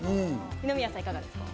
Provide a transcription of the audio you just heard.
二宮さん、いかがですか？